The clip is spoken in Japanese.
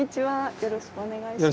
よろしくお願いします。